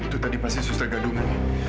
itu tadi pasti suster gadungan